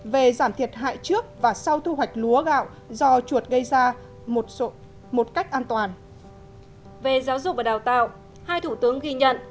về giảm thiệt hại trước và sau thu hoạch lúa gạo do chuột gây ra một cách an toàn